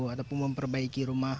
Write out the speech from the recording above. ataupun memperbaiki rumah